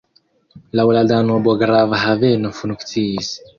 Laŭ la Danubo grava haveno funkciis.